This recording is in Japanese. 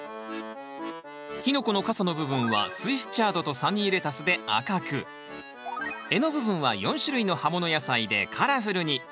キノコの傘の部分はスイスチャードとサニーレタスで赤く柄の部分は４種類の葉もの野菜でカラフルに。